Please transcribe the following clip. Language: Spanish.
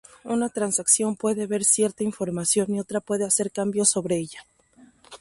Una transacción puede ver cierta información y otra puede hacer cambios sobre ella.